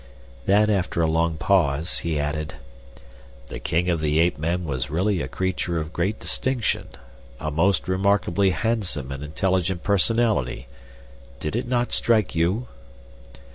Then, after a long pause, he added: "The king of the ape men was really a creature of great distinction a most remarkably handsome and intelligent personality. Did it not strike you?"